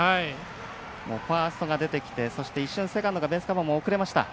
ファーストが出てきてセカンドのベースカバーも遅れました。